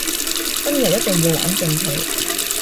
今日一定要玩盡佢